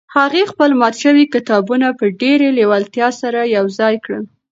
هغې خپل مات شوي کتابونه په ډېرې لېوالتیا سره یو ځای کړل.